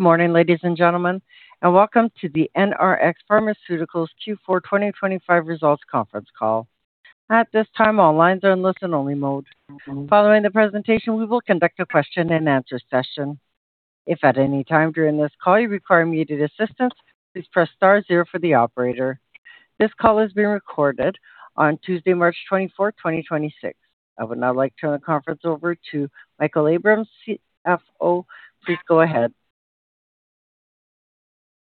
Morning, ladies and gentlemen, and welcome to the NRx Pharmaceuticals Q4 2025 Results Conference Call. At this time, all lines are in listen-only mode. Following the presentation, we will conduct a question-and-answer session. If at any time during this call you require immediate assistance, please press star zero for the operator. This call is being recorded on Tuesday, March 24, 2026. I would now like to turn the conference over to Michael Abrams, CFO. Please go ahead.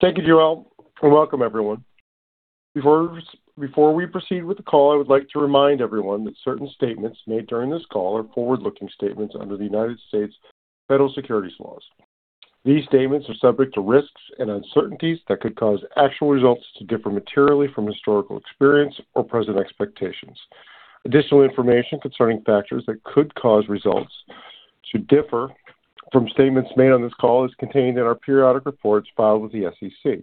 Thank you, Joelle, and welcome everyone. Before we proceed with the call, I would like to remind everyone that certain statements made during this call are forward-looking statements under the United States federal securities laws. These statements are subject to risks and uncertainties that could cause actual results to differ materially from historical experience or present expectations. Additional information concerning factors that could cause results to differ from statements made on this call is contained in our periodic reports filed with the SEC.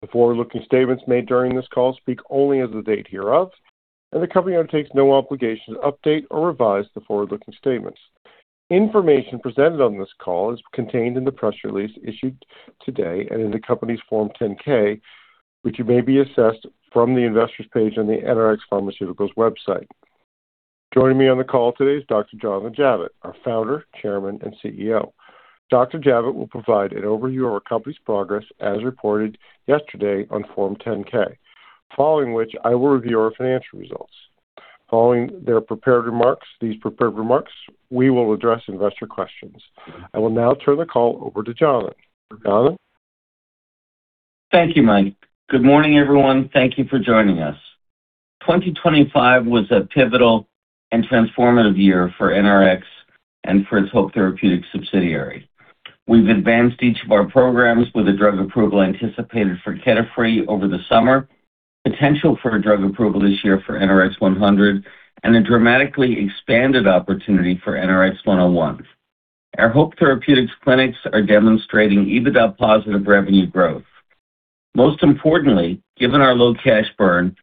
The forward-looking statements made during this call speak only as of the date hereof, and the company undertakes no obligation to update or revise the forward-looking statements. Information presented on this call is contained in the press release issued today and in the company's Form 10-K, which you may be accessed from the investor's page on the NRx Pharmaceuticals website. Joining me on the call today is Dr. Jonathan Javitt, our founder, chairman, and CEO. Dr. Javitt will provide an overview of our company's progress as reported yesterday on Form 10-K, following which I will review our financial results. Following their prepared remarks, we will address investor questions. I will now turn the call over to Jonathan. Jonathan? Thank you, Mike. Good morning, everyone. Thank you for joining us. 2025 was a pivotal and transformative year for NRx and for its HOPE Therapeutics subsidiary. We've advanced each of our programs with a drug approval anticipated for KETAFREE over the summer, potential for a drug approval this year for NRX-100, and a dramatically expanded opportunity for NRX-101. Our HOPE Therapeutics clinics are demonstrating EBITDA positive revenue growth. Most importantly, given our low cash burn,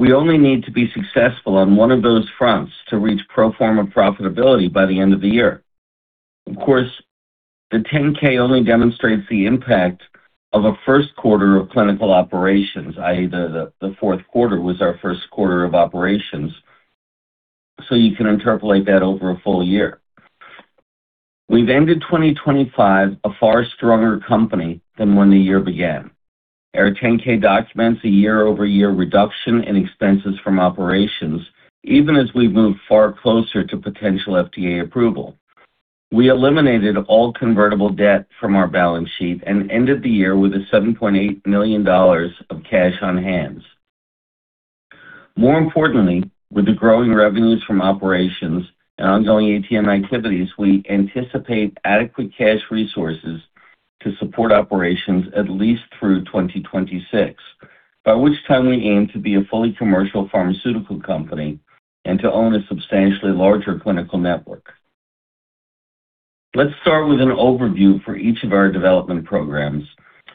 we only need to be successful on one of those fronts to reach pro forma profitability by the end of the year. Of course, the 10-K only demonstrates the impact of a first quarter of clinical operations, i.e., the fourth quarter was our first quarter of operations, so you can interpolate that over a full year. We've ended 2025 a far stronger company than when the year began. Our 10-K documents a year-over-year reduction in expenses from operations, even as we move far closer to potential FDA approval. We eliminated all convertible debt from our balance sheet and ended the year with $7.8 million of cash on hand. More importantly, with the growing revenues from operations and ongoing ATM activities, we anticipate adequate cash resources to support operations at least through 2026, by which time we aim to be a fully commercial pharmaceutical company and to own a substantially larger clinical network. Let's start with an overview for each of our development programs,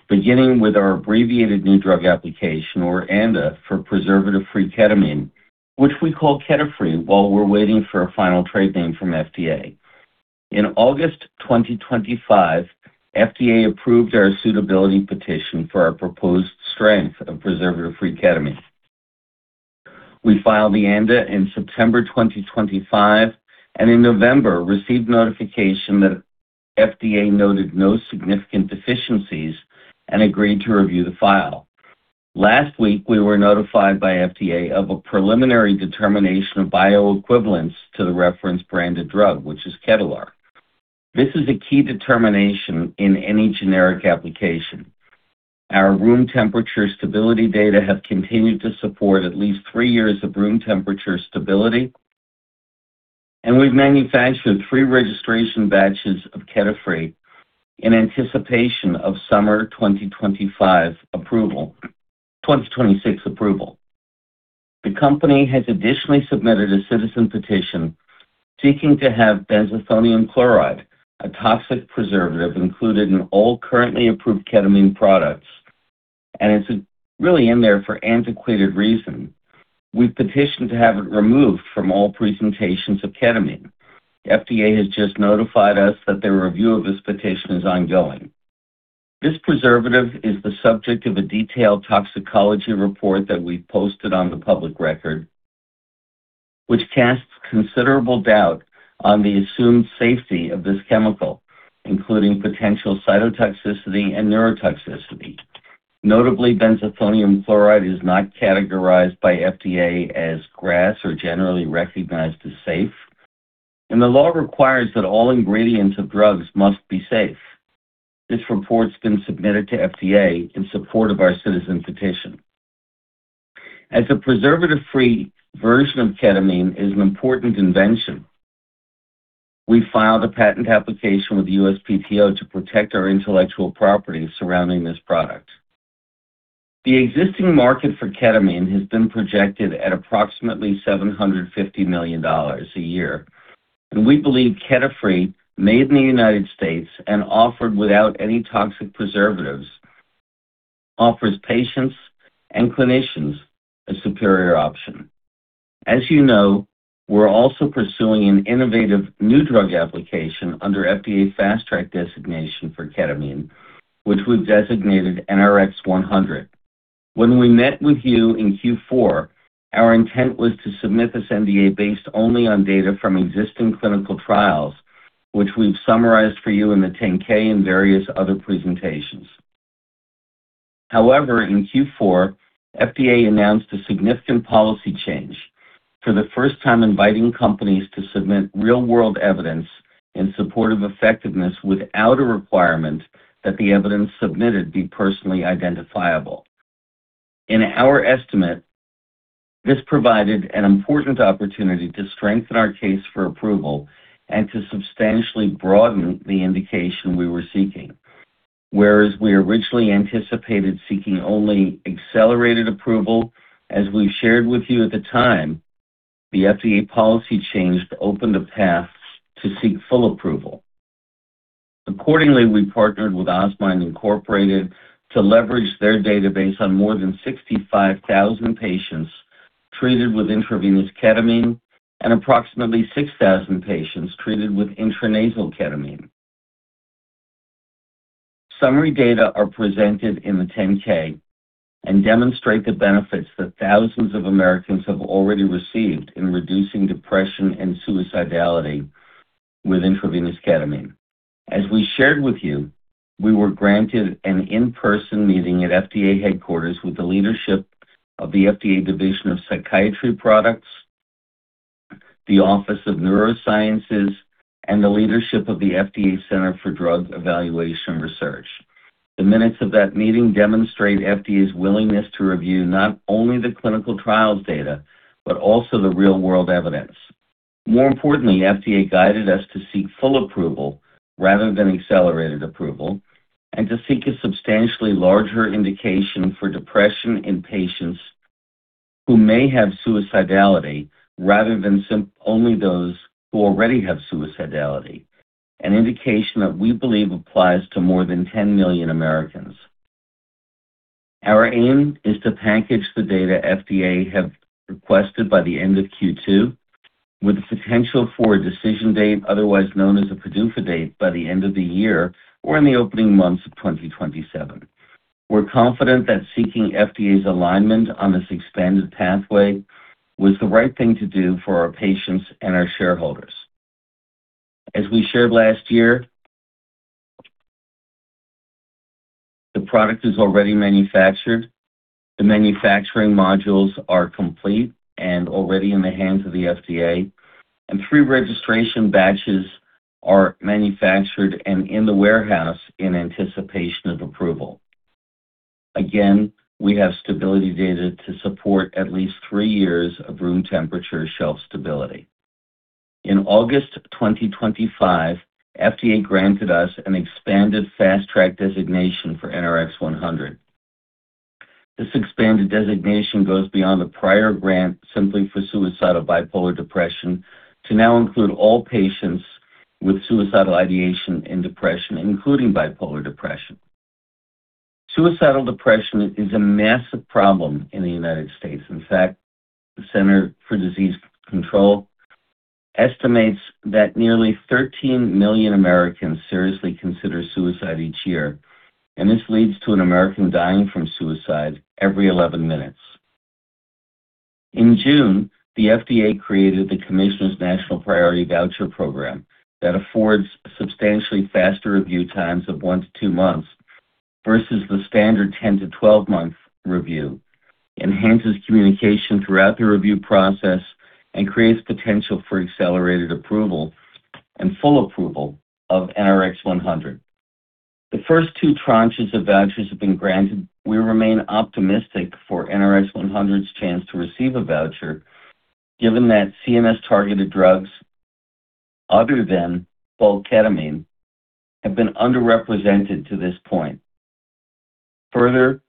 beginning with our Abbreviated New Drug application, or ANDA, for preservative-free ketamine, which we call KETAFREE while we're waiting for a final trade name from FDA. In August 2025, FDA approved our suitability petition for our proposed strength of preservative-free ketamine. We filed the ANDA in September 2025, and in November, received notification that FDA noted no significant deficiencies and agreed to review the file. Last week, we were notified by FDA of a preliminary determination of bioequivalence to the reference branded drug, which is Ketalar. This is a key determination in any generic application. Our room temperature stability data have continued to support at least three years of room temperature stability, and we've manufactured three registration batches of KETAFREE in anticipation of summer 2026 approval. The company has additionally submitted a citizen petition seeking to have benzethonium chloride, a toxic preservative included in all currently approved ketamine products, and it's really in there for antiquated reasons. We've petitioned to have it removed from all presentations of ketamine. FDA has just notified us that their review of this petition is ongoing. This preservative is the subject of a detailed toxicology report that we've posted on the public record, which casts considerable doubt on the assumed safety of this chemical, including potential cytotoxicity and neurotoxicity. Notably, benzethonium chloride is not categorized by FDA as GRAS or Generally Recognized as Safe, and the law requires that all ingredients of drugs must be safe. This report's been submitted to FDA in support of our citizen petition. As a preservative-free version of ketamine is an important invention, we filed a patent application with the USPTO to protect our intellectual property surrounding this product. The existing market for ketamine has been projected at approximately $750 million a year, and we believe KETAFREE, made in the United States and offered without any toxic preservatives offers patients and clinicians a superior option. As you know, we're also pursuing an innovative new drug application under FDA Fast Track designation for ketamine, which we've designated NRX-100. When we met with you in Q4, our intent was to submit this NDA based only on data from existing clinical trials, which we've summarized for you in the 10-K and various other presentations. However, in Q4, FDA announced a significant policy change for the first time, inviting companies to submit real-world evidence in support of effectiveness without a requirement that the evidence submitted be personally identifiable. In our estimate, this provided an important opportunity to strengthen our case for approval and to substantially broaden the indication we were seeking. Whereas we originally anticipated seeking only accelerated approval, as we shared with you at the time, the FDA policy change opened a path to seek full approval. Accordingly, we partnered with Osmind Inc. to leverage their database on more than 65,000 patients treated with intravenous ketamine and approximately 6,000 patients treated with intranasal ketamine. Summary data are presented in the 10-K and demonstrate the benefits that thousands of Americans have already received in reducing depression and suicidality with intravenous ketamine. As we shared with you, we were granted an in-person meeting at FDA headquarters with the leadership of the FDA Division of Psychiatry Products, the Office of Neuroscience, and the leadership of the FDA Center for Drug Evaluation and Research. The minutes of that meeting demonstrate FDA's willingness to review not only the clinical trials data but also the real-world evidence. More importantly, FDA guided us to seek full approval rather than accelerated approval and to seek a substantially larger indication for depression in patients who may have suicidality rather than only those who already have suicidality, an indication that we believe applies to more than 10 million Americans. Our aim is to package the data FDA have requested by the end of Q2 with the potential for a decision date, otherwise known as a PDUFA date, by the end of the year or in the opening months of 2027. We're confident that seeking FDA's alignment on this expanded pathway was the right thing to do for our patients and our shareholders. As we shared last year, the product is already manufactured. The manufacturing modules are complete and already in the hands of the FDA, and pre-registration batches are manufactured and in the warehouse in anticipation of approval. Again, we have stability data to support at least three years of room temperature shelf stability. In August 2025, FDA granted us an expanded Fast Track designation for NRX-100. This expanded designation goes beyond the prior grant simply for suicidal bipolar depression to now include all patients with suicidal ideation and depression, including bipolar depression. Suicidal depression is a massive problem in the United States. In fact, the Centers for Disease Control and Prevention estimates that nearly 13 million Americans seriously consider suicide each year, and this leads to an American dying from suicide every 11 minutes. In June, the FDA created the Commissioner's National Priority Voucher Program that affords substantially faster review times of one months to two months versus the standard 10-12-month review, enhances communication throughout the review process, and creates potential for accelerated approval and full approval of NRX-100. The first two tranches of vouchers have been granted. We remain optimistic for NRX-100's chance to receive a voucher, given that CNS-targeted drugs other than bulk ketamine have been underrepresented to this point. Further,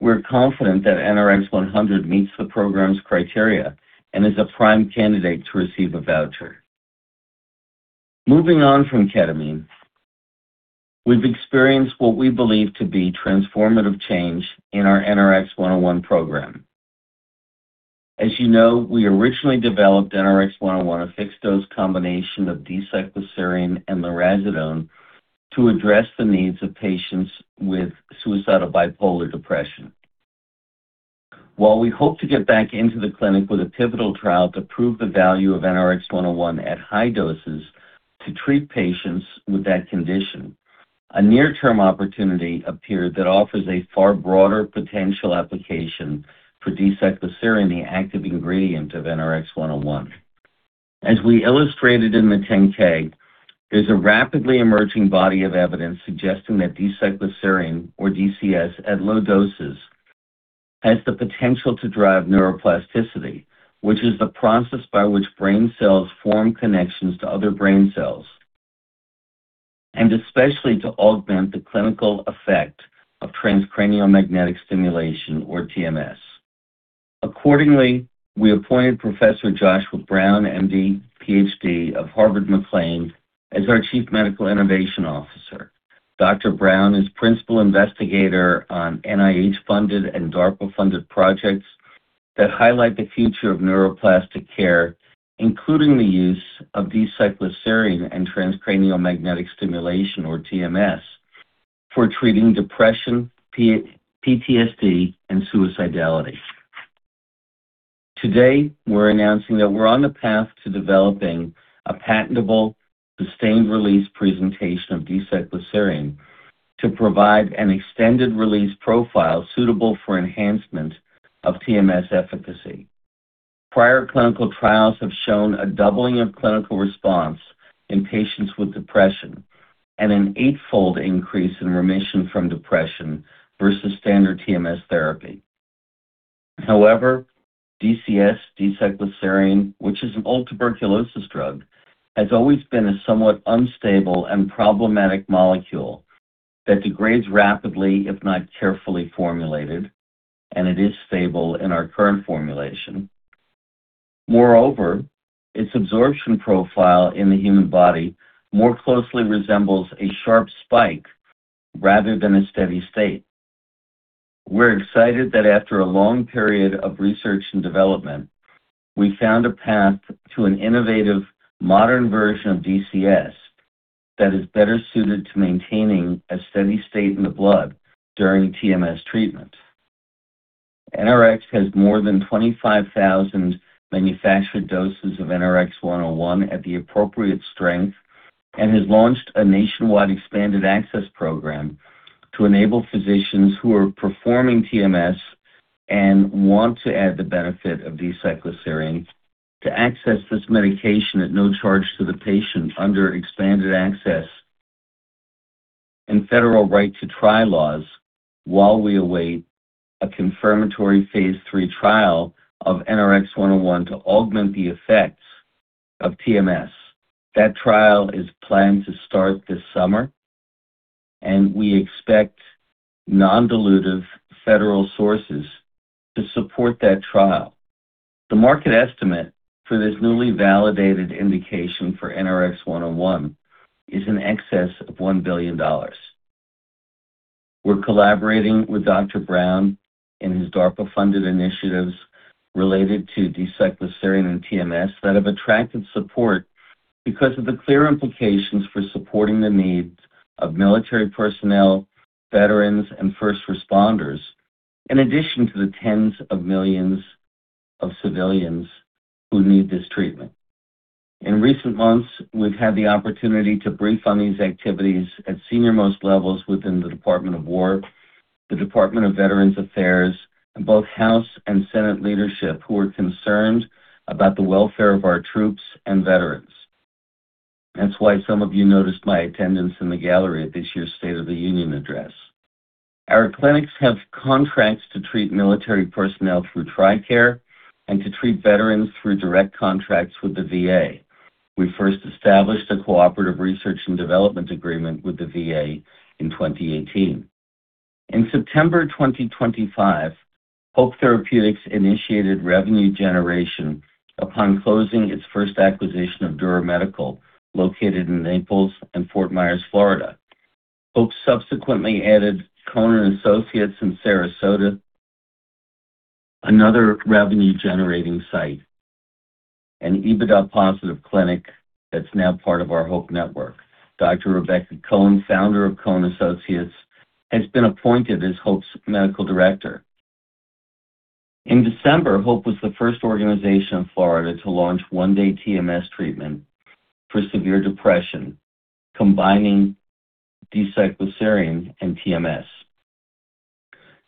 we're confident that NRX-100 meets the program's criteria and is a prime candidate to receive a voucher. Moving on from ketamine, we've experienced what we believe to be transformative change in our NRX-101 program. As you know, we originally developed NRX-101, a fixed dose combination of D-cycloserine and lurasidone to address the needs of patients with suicidal bipolar depression. While we hope to get back into the clinic with a pivotal trial to prove the value of NRX-101 at high doses to treat patients with that condition, a near-term opportunity appeared that offers a far broader potential application for D-cycloserine, the active ingredient of NRX-101. As we illustrated in the 10-K, there's a rapidly emerging body of evidence suggesting that D-cycloserine, or DCS, at low doses has the potential to drive neuroplasticity, which is the process by which brain cells form connections to other brain cells, and especially to augment the clinical effect of transcranial magnetic stimulation, or TMS. Accordingly, we appointed Professor Joshua C. Brown, MD, PhD, of McLean Hospital as our Chief Medical Innovation Officer. Dr. Brown is principal investigator on NIH-funded and DARPA-funded projects that highlight the future of neuroplastic care, including the use of D-cycloserine and transcranial magnetic stimulation or TMS for treating depression, PTSD, and suicidality. Today, we're announcing that we're on the path to developing a patentable sustained release presentation of D-cycloserine to provide an extended release profile suitable for enhancement of TMS efficacy. Prior clinical trials have shown a doubling of clinical response in patients with depression and an eight-fold increase in remission from depression versus standard TMS therapy. However, DCS, D-cycloserine, which is an old tuberculosis drug, has always been a somewhat unstable and problematic molecule that degrades rapidly, if not carefully formulated, and it is stable in our current formulation. Moreover, its absorption profile in the human body more closely resembles a sharp spike rather than a steady state. We're excited that after a long period of research and development, we found a path to an innovative modern version of DCS that is better suited to maintaining a steady state in the blood during TMS treatment. NRx has more than 25,000 manufactured doses of NRX-101 at the appropriate strength and has launched a nationwide expanded access program to enable physicians who are performing TMS and want to add the benefit of D-cycloserine to access this medication at no charge to the patient under expanded access and federal right to try laws while we await a confirmatory phase III trial of NRX-101 to augment the effects of TMS. That trial is planned to start this summer, and we expect non-dilutive federal sources to support that trial. The market estimate for this newly validated indication for NRX-101 is in excess of $1 billion. We're collaborating with Dr. Brown in his DARPA-funded initiatives related to D-cycloserine and TMS that have attracted support because of the clear implications for supporting the needs of military personnel, veterans, and first responders, in addition to the tens of millions of civilians who need this treatment. In recent months, we've had the opportunity to brief on these activities at senior-most levels within the Department of Defense, the Department of Veterans Affairs, and both House and Senate leadership who are concerned about the welfare of our troops and veterans. That's why some of you noticed my attendance in the gallery at this year's State of the Union address. Our clinics have contracts to treat military personnel through TRICARE and to treat veterans through direct contracts with the VA. We first established a cooperative research and development agreement with the VA in 2018. In September 2025, HOPE Therapeutics initiated revenue generation upon closing its first acquisition of Dura Medical located in Naples and Fort Myers, Florida. HOPE subsequently added Cohen & Associates in Sarasota, another revenue-generating site and EBITDA positive clinic that's now part of our HOPE network. Dr. Rebecca Cohen, founder of Cohen & Associates, has been appointed as HOPE's medical director. In December, HOPE was the first organization in Florida to launch one-day TMS treatment for severe depression, combining D-cycloserine and TMS.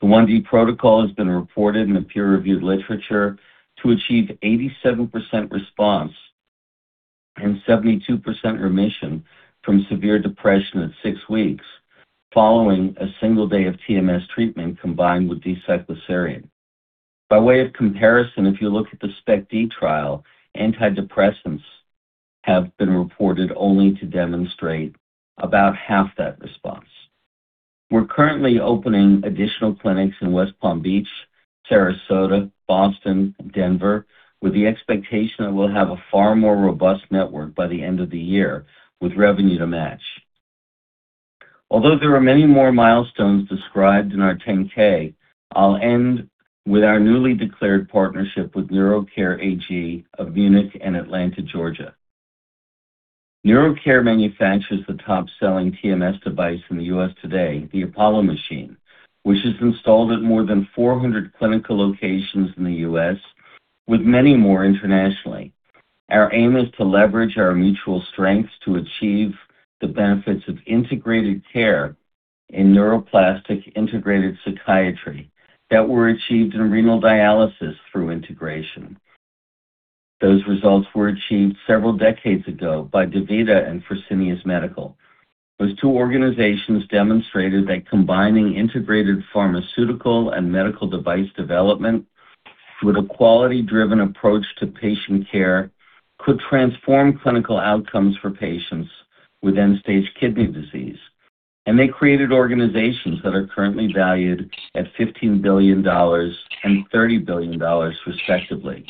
The one-day protocol has been reported in the peer-reviewed literature to achieve 87% response and 72% remission from severe depression at six weeks following a single day of TMS treatment combined with D-cycloserine. By way of comparison, if you look at the STAR*D trial, antidepressants have been reported only to demonstrate about half that response. We're currently opening additional clinics in West Palm Beach, Sarasota, Boston, Denver, with the expectation that we'll have a far more robust network by the end of the year with revenue to match. Although there are many more milestones described in our 10-K, I'll end with our newly declared partnership with neurocare group AG of Munich and Atlanta, Georgia. neurocare group AG manufactures the top-selling TMS device in the U.S. today, the Apollo machine, which is installed at more than 400 clinical locations in the U.S., with many more internationally. Our aim is to leverage our mutual strengths to achieve the benefits of integrated care in neuroplastic integrated psychiatry that were achieved in renal dialysis through integration. Those results were achieved several decades ago by DaVita and Fresenius Medical Care. Those two organizations demonstrated that combining integrated pharmaceutical and medical device development with a quality-driven approach to patient care could transform clinical outcomes for patients with end-stage kidney disease. They created organizations that are currently valued at $15 billion and $30 billion respectively.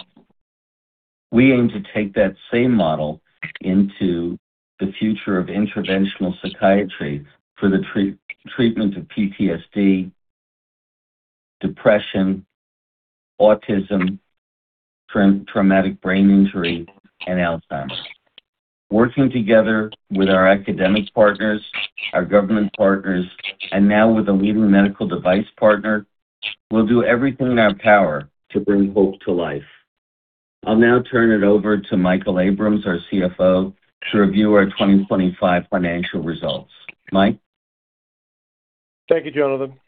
We aim to take that same model into the future of interventional psychiatry for the treatment of PTSD, depression, autism, traumatic brain injury, and Alzheimer's. Working together with our academic partners, our government partners, and now with a leading medical device partner, we'll do everything in our power to bring hope to life. I'll now turn it over to Michael Abrams, our CFO, to review our 2025 financial results. Mike. Thank you, Jonathan.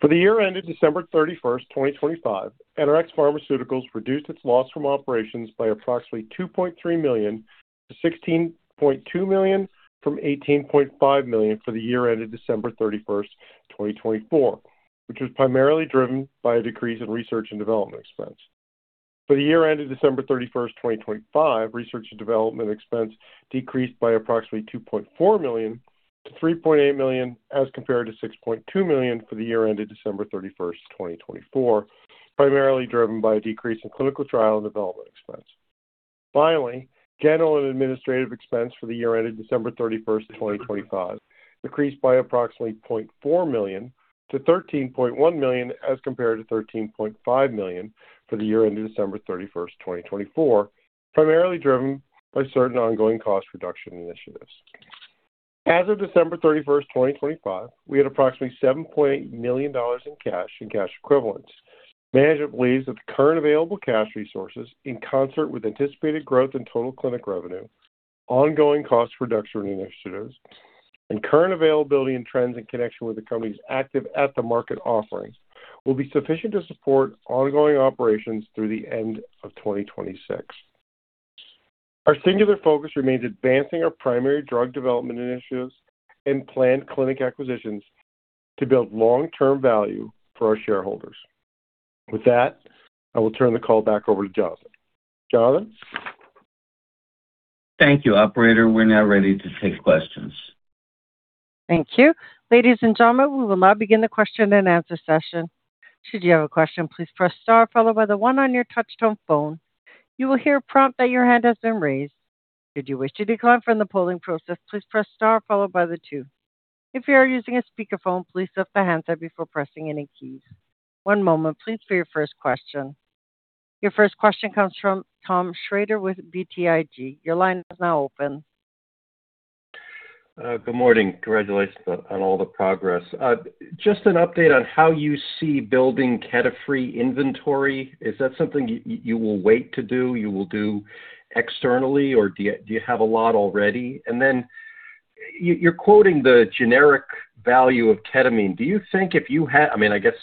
For the year ended December 31, 2025, NRx Pharmaceuticals reduced its loss from operations by approximately $2.3 million to $16.2 million from $18.5 million for the year ended December 31, 2024, which was primarily driven by a decrease in research and development expense. For the year ended December 31, 2025, research and development expense decreased by approximately $2.4 million to $3.8 million as compared to $6.2 million for the year ended December 31, 2024, primarily driven by a decrease in clinical trial and development expense. Finally, general and administrative expense for the year ended December 31, 2025, decreased by approximately $0.4 million to $13.1 million as compared to $13.5 million for the year ended December 31, 2024, primarily driven by certain ongoing cost reduction initiatives. As of December 31, 2025, we had approximately $7.8 million in cash and cash equivalents. Management believes that the current available cash resources, in concert with anticipated growth in total clinic revenue, ongoing cost reduction initiatives, and current availability and trends in connection with the company's active at-the-market offerings, will be sufficient to support ongoing operations through the end of 2026. Our singular focus remains advancing our primary drug development initiatives and planned clinic acquisitions to build long-term value for our shareholders. With that, I will turn the call back over to Jonathan. Jonathan. Thank you, operator. We're now ready to take questions. Thank you. Ladies and gentlemen, we will now begin the question and answer session. Should you have a question, please press star followed by the one on your touch-tone phone. You will hear a prompt that your hand has been raised. Should you wish to decline from the polling process, please press star followed by the two. If you are using a speakerphone, please lift the handset before pressing any keys. One moment please for your first question. Your first question comes from Thomas Shrader with BTIG. Your line is now open. Good morning. Congratulations on all the progress. Just an update on how you see building KETAFREE inventory. Is that something you will wait to do, you will do externally, or do you have a lot already? And then you're quoting the generic value of ketamine. Do you think if you had I mean, I guess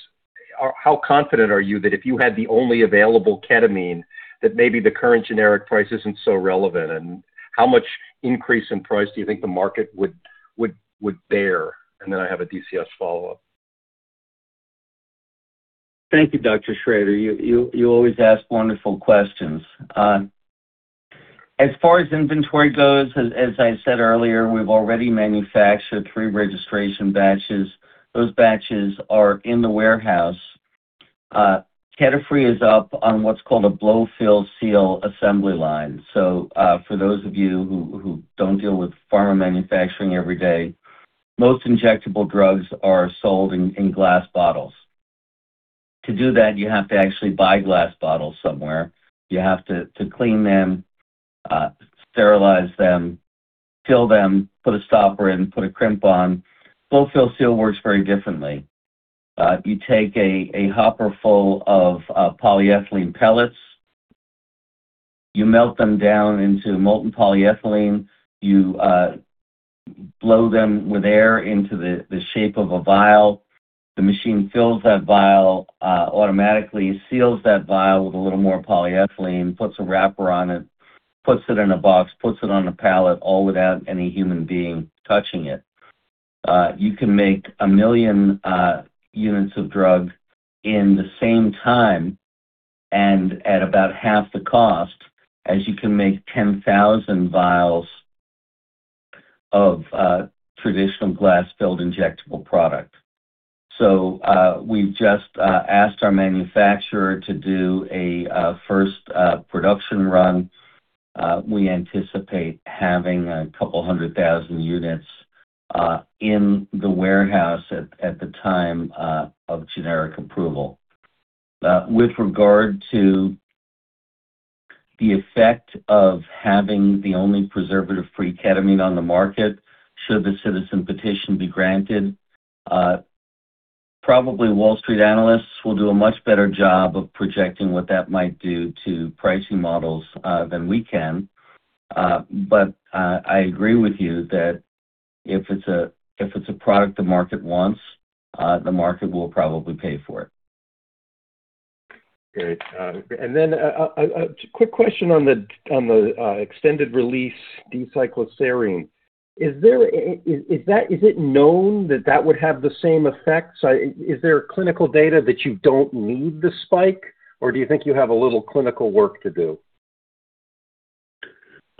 how confident are you that if you had the only available ketamine, that maybe the current generic price isn't so relevant? And how much increase in price do you think the market would bear? And then I have a DCS follow-up. Thank you, Dr. Shrader. You always ask wonderful questions. As far as inventory goes, as I said earlier, we've already manufactured three registration batches. Those batches are in the warehouse. KETAFREE is up on what's called a blow-fill-seal assembly line. For those of you who don't deal with pharma manufacturing every day, most injectable drugs are sold in glass bottles. To do that, you have to actually buy glass bottles somewhere. You have to clean them, sterilize them, fill them, put a stopper in, put a crimp on. Blow-fill-seal works very differently. You take a hopper full of polyethylene pellets. You melt them down into molten polyethylene. You blow them with air into the shape of a vial. The machine fills that vial automatically, seals that vial with a little more polyethylene, puts a wrapper on it, puts it in a box, puts it on a pallet, all without any human being touching it. You can make 1 million units of drug in the same time and at about half the cost as you can make 10,000 vials of traditional glass-filled injectable product. We just asked our manufacturer to do a first production run. We anticipate having 200,000 units in the warehouse at the time of generic approval. With regard to the effect of having the only preservative-free ketamine on the market should the citizen petition be granted, probably Wall Street analysts will do a much better job of projecting what that might do to pricing models than we can. I agree with you that if it's a product the market wants, the market will probably pay for it. Great. A quick question on the extended release D-cycloserine. Is it known that that would have the same effects? Is there clinical data that you don't need the spike, or do you think you have a little clinical work to do?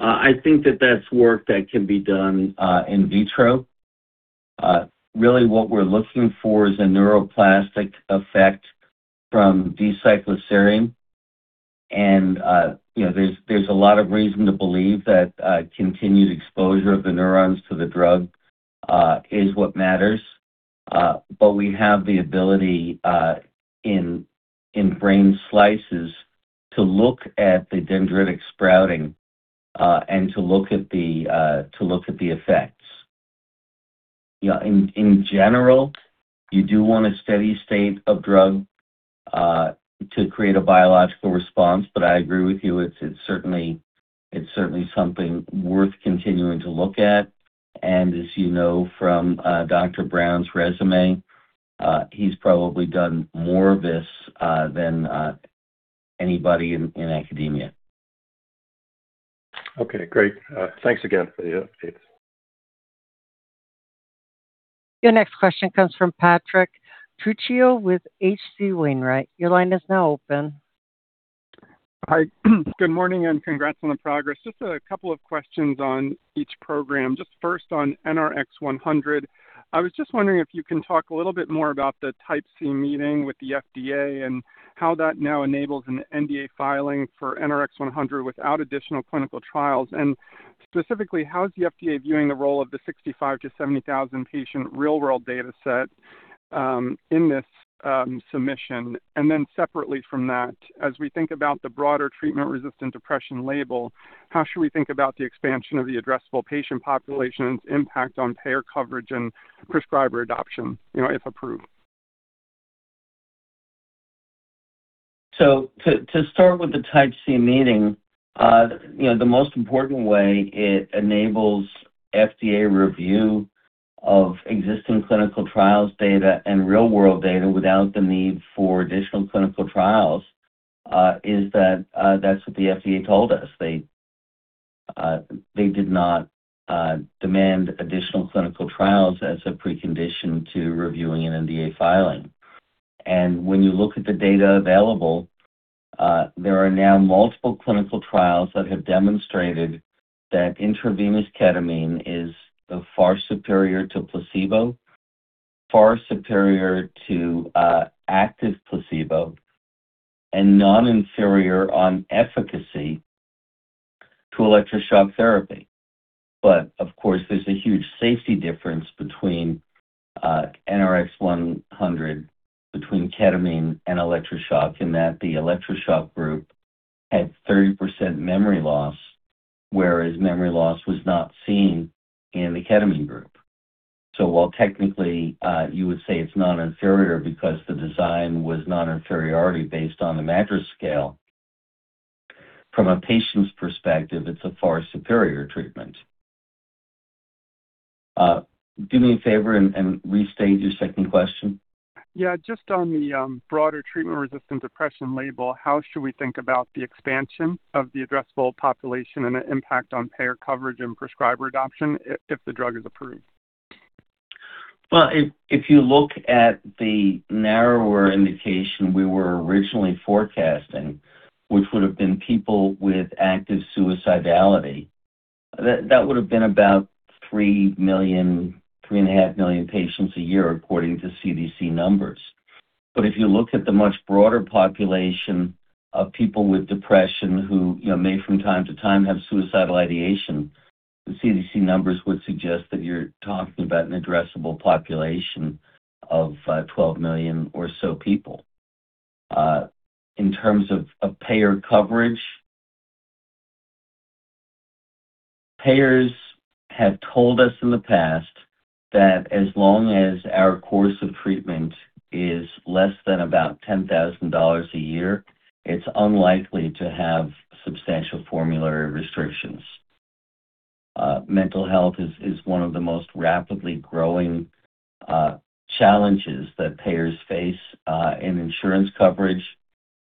I think that that's work that can be done in vitro. Really what we're looking for is a neuroplastic effect from D-cycloserine. You know, there's a lot of reason to believe that continued exposure of the neurons to the drug is what matters. We have the ability in brain slices to look at the dendritic sprouting and to look at the effects. You know, in general, you do want a steady state of drug to create a biological response. I agree with you, it's certainly something worth continuing to look at. As you know from Dr. Brown's resume, he's probably done more of this than anybody in academia. Okay, great. Thanks again for the update. Your next question comes from Patrick R. Trucchio with H.C. Wainwright. Your line is now open. Hi. Good morning, and congrats on the progress. Just a couple of questions on each program. Just first on NRX-100. I was just wondering if you can talk a little bit more about the Type C meeting with the FDA and how that now enables an NDA filing for NRX-100 without additional clinical trials. Specifically, how is the FDA viewing the role of the 65 patient-70,000 patient real world data set in this submission? Then separately from that, as we think about the broader treatment-resistant depression label, how should we think about the expansion of the addressable patient population's impact on payer coverage and prescriber adoption, you know, if approved? To start with the Type C meeting, you know, the most important way it enables FDA review of existing clinical trials data and real-world data without the need for additional clinical trials is that that's what the FDA told us. They did not demand additional clinical trials as a precondition to reviewing an NDA filing. When you look at the data available, there are now multiple clinical trials that have demonstrated that intravenous ketamine is far superior to placebo, far superior to active placebo, and non-inferior on efficacy to electroshock therapy. Of course, there's a huge safety difference between NRX-100 and ketamine and electroshock, in that the electroshock group had 30% memory loss, whereas memory loss was not seen in the ketamine group. While technically, you would say it's non-inferior because the design was non-inferiority based on the MADRS scale, from a patient's perspective, it's a far superior treatment. Do me a favor and restate your second question. Yeah. Just on the broader treatment-resistant depression label, how should we think about the expansion of the addressable population and the impact on payer coverage and prescriber adoption if the drug is approved? Well, if you look at the narrower indication we were originally forecasting, which would have been people with active suicidality, that would have been about 3 million, 3.5 million patients a year according to CDC numbers. If you look at the much broader population of people with depression who, you know, may from time to time have suicidal ideation, the CDC numbers would suggest that you're talking about an addressable population of 12 million or so people. In terms of payer coverage, payers have told us in the past that as long as our course of treatment is less than about $10,000 a year, it's unlikely to have substantial formulary restrictions. Mental health is one of the most rapidly growing challenges that payers face in insurance coverage.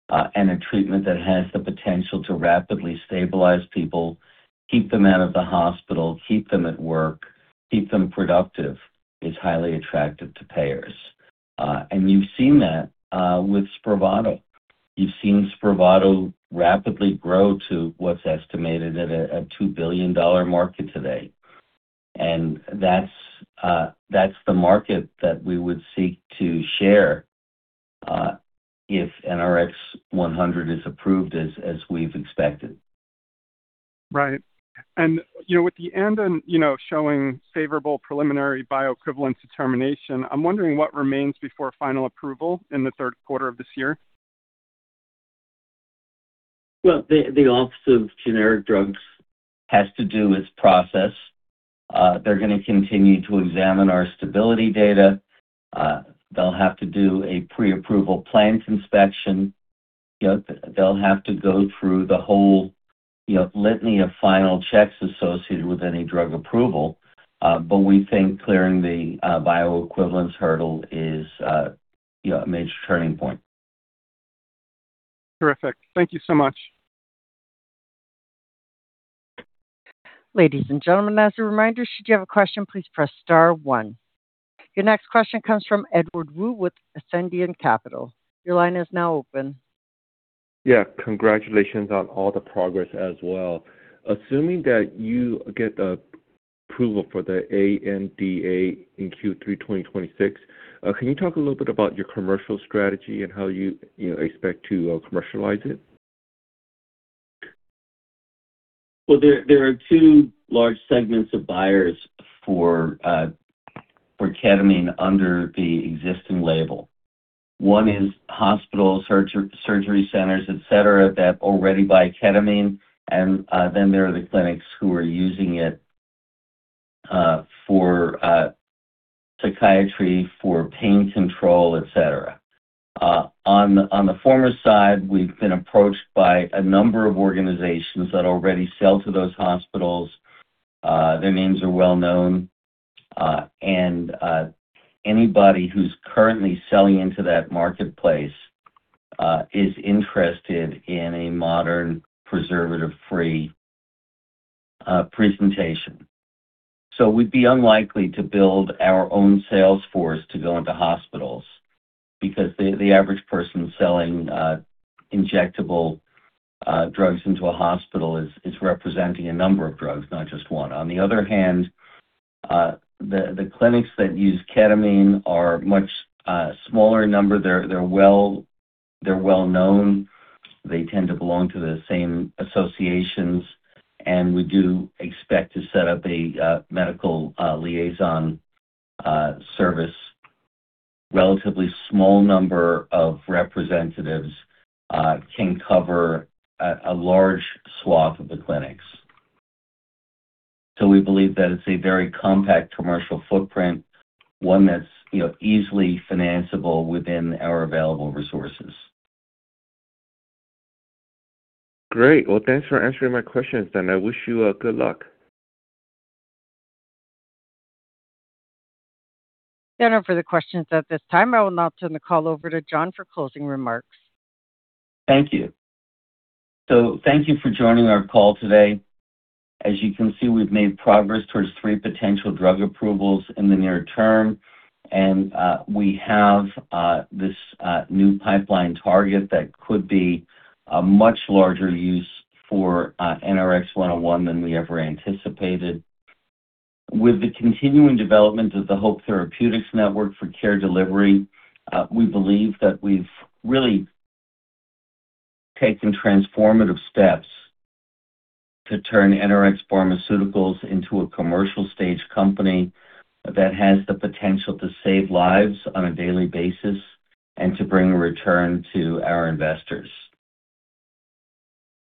A treatment that has the potential to rapidly stabilize people, keep them out of the hospital, keep them at work, keep them productive, is highly attractive to payers. You've seen that with Spravato. You've seen Spravato rapidly grow to what's estimated at a $2 billion market today. That's the market that we would seek to share if NRX-100 is approved as we've expected. Right. You know, with the ANDA, you know, showing favorable preliminary bioequivalence determination, I'm wondering what remains before final approval in the third quarter of this year? Well, the Office of Generic Drugs has to do its process. They're going to continue to examine our stability data. They'll have to do a pre-approval plant inspection. You know, they'll have to go through the whole, you know, litany of final checks associated with any drug approval. But we think clearing the bioequivalence hurdle is a, you know, a major turning point. Terrific. Thank you so much. Ladies and gentlemen, as a reminder, should you have a question, please press star one. Your next question comes from Edward Moon with Ascendiant Capital Markets. Your line is now open. Yeah. Congratulations on all the progress as well. Assuming that you get the approval for the ANDA in Q3 2026, can you talk a little bit about your commercial strategy and how you know, expect to commercialize it? Well, there are two large segments of buyers for ketamine under the existing label. One is hospital surgery centers, etc., that already buy ketamine. Then there are the clinics who are using it for psychiatry, for pain control, etc. On the former side, we've been approached by a number of organizations that already sell to those hospitals. Their names are well-known. Anybody who's currently selling into that marketplace is interested in a modern preservative-free presentation. We'd be unlikely to build our own sales force to go into hospitals because the average person selling injectable drugs into a hospital is representing a number of drugs, not just one. On the other hand, the clinics that use ketamine are much smaller in number. They're well-known. They tend to belong to the same associations. We do expect to set up a medical liaison service. Relatively small number of representatives can cover a large swath of the clinics. We believe that it's a very compact commercial footprint, one that's, you know, easily financiable within our available resources. Great. Well, thanks for answering my questions, and I wish you good luck. There are no further questions at this time. I will now turn the call over to John for closing remarks. Thank you. Thank you for joining our call today. As you can see, we've made progress towards three potential drug approvals in the near term. We have this new pipeline target that could be a much larger use for NRX-101 than we ever anticipated. With the continuing development of the HOPE Therapeutics network for care delivery, we believe that we've really taken transformative steps to turn NRx Pharmaceuticals into a commercial stage company that has the potential to save lives on a daily basis and to bring a return to our investors.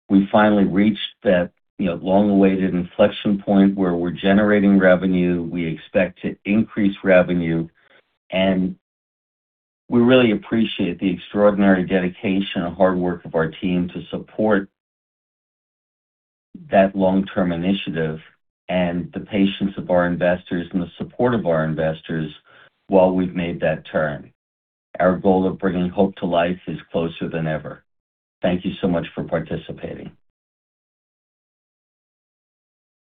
We finally reached that, you know, long-awaited inflection point where we're generating revenue, we expect to increase revenue. We really appreciate the extraordinary dedication and hard work of our team to support that long-term initiative and the patience of our investors and the support of our investors while we've made that turn. Our goal of bringing hope to life is closer than ever. Thank you so much for participating.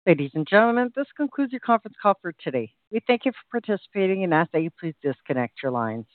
Ladies and gentlemen, this concludes your conference call for today. We thank you for participating and ask that you please disconnect your lines.